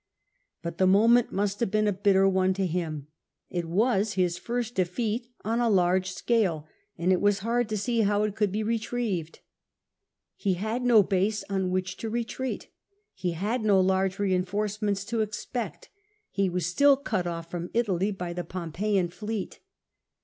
But the moment must have been a bitter one to him ; it was bis first defeat on a large scale, and it was hard to see how it could be retrieved. He had no base on which to retreat, he had no large reinforcements to expect, he was still cut off from Italy by the Pompeian fleet.